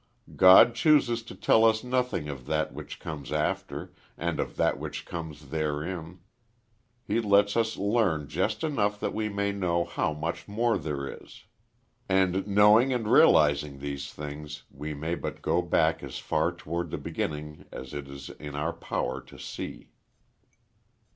God chooses to tell us nothing of that which comes after; and of that which comes therein He lets us learn just enough that we may know how much more there is. And knowing and realizing these things, we may but go back as far toward the beginning as it is in our power to see.